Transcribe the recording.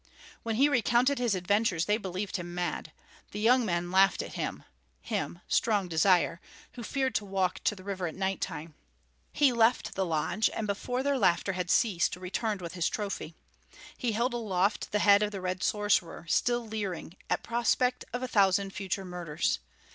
When he recounted his adventures they believed him mad. The young men laughed at him him, Strong Desire who feared to walk to the river at night time. He left the lodge, and before their laughter had ceased, returned with his trophy. He held aloft the head of the Red Sorcerer, still leering, at prospect of a thousand future murders.